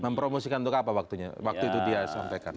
mempromosikan itu ke apa waktunya waktu itu dia sampaikan